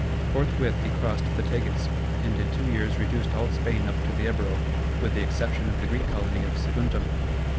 Forthwith he crossed the Tagus, and in two years reduced all Spain up to the Ebro, with the exception of the Greek colony of Saguntum.